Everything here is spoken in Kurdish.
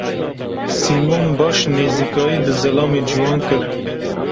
Sîmon baş nêzîkayî bi zilamê ciwan kir.